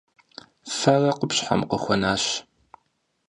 Фэрэ къупщхьэм къыхуэнащ.